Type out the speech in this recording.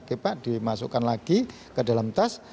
kepak dimasukkan lagi ke dalam tas